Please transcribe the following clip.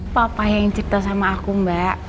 papa yang cipta sama aku mbak